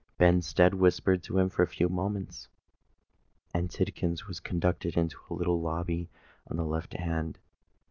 Benstead whispered to him for a few moments; and Tidkins was conducted into a little lobby on the left hand.